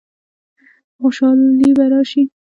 خوشحالي به راشي؟